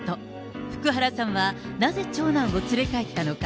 福原さんはなぜ長男を連れ帰ったのか。